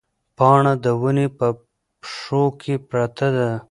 پاڼه د ونې په پښو کې پرته ده.